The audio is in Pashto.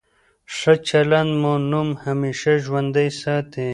ښه چلند مو نوم همېشه ژوندی ساتي.